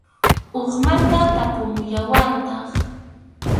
Hukmanta tapumuwallantaq.